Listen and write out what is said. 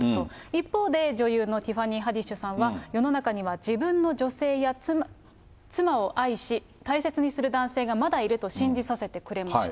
一方で、女優のティファニー・ハディッシュさんは、自分の妻を愛し、大切にする男性がまだいると信じさせてくれました。